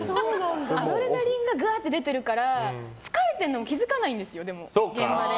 アドレナリンがぐわーっと出てるから疲れてるのも気づかないんですよ、現場で。